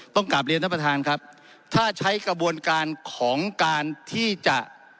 กลับเรียนท่านประธานครับถ้าใช้กระบวนการของการที่จะ